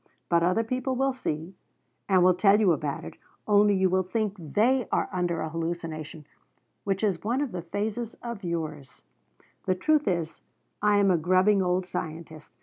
But other people will see, and will tell you about it, only you will think they are under a hallucination, which is one of the phases of yours. The truth is I am a grubbing old scientist.